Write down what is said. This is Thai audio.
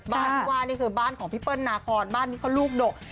บ้านที่ว่านี่คือบ้านของพี่เปิ้ลนาคอนบ้านนี้เขาลูกดก